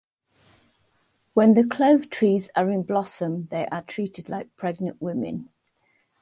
When the clove trees are in blossom, they are treated like pregnant women.